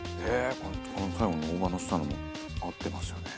この最後に大葉のせたのも合ってますよね。